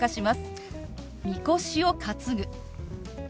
「みこしを担ぐ」。